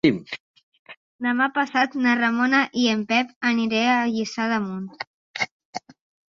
Demà passat na Ramona i en Pep aniré a Lliçà d'Amunt.